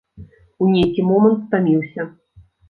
У нейкі момант стаміўся.